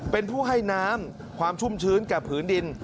เป็นผู้ให้น้ำความชุ่มชื้นแก่ผืนดิน